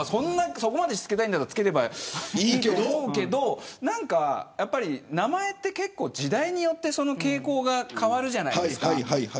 そこまでつけたいならつければいいと思うけど名前は時代によって傾向が変わるじゃないですか。